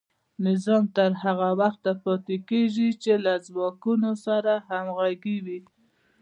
نظام تر هغه وخته پاتې کیږي چې له ځواکونو سره همغږی وي.